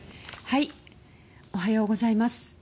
おはようございます。